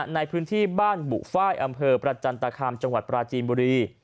ในพื้นที่บ้านบุฟ้ายอำเภอประจันตคามจังหวัดปราจีนบุรี